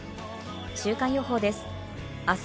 週間予報です。